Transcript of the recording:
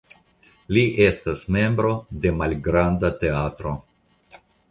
Li estas membro de malgranda teatro.